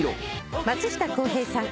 松下洸平さん。